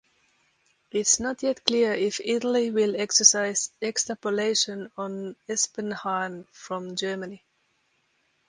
It's not yet clear if Italy will exercise extrapolation on Espenhahn from Germany.